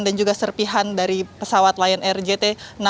dan juga serpihan dari pesawat lion air jt enam ratus sepuluh